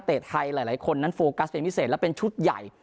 ไทยหลายคนนั้นโฟกัสเป็นพิเศษแล้วเป็นชุดใหญ่